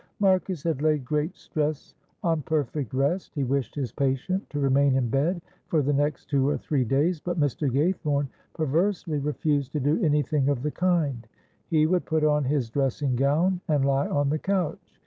Marcus had laid great stress on perfect rest. He wished his patient to remain in bed for the next two or three days, but Mr. Gaythorne perversely refused to do anything of the kind; he would put on his dressing gown and lie on the couch.